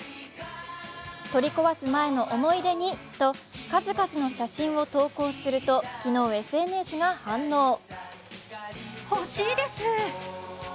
取り壊す前の思い出にと数々の写真を投稿すると昨日、ＳＮＳが反応。